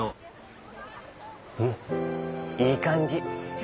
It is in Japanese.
うんいいかんじ。